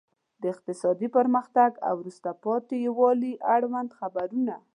د اقتصادي پرمختګ او وروسته پاتې والي اړوند خبرونه.